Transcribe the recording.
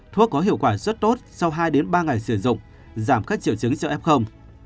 thuốc có hiệu quả rất tốt sau hai ba ngày sử dụng giảm các triệu chứng cho f